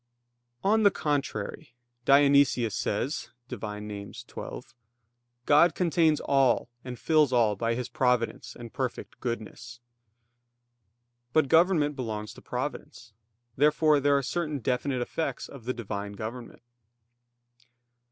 On the contrary, Dionysius says (Div. Nom. xii): "God contains all and fills all by His providence and perfect goodness." But government belongs to providence. Therefore there are certain definite effects of the Divine government.